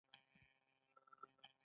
دوی دا مالیه په خپل زړه ټاکله.